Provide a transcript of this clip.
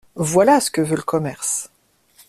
Voilà ce que veut le commerce!